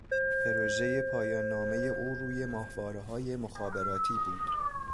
پروژه پایاننامهٔ او روی ماهوارههای مخابراتی بود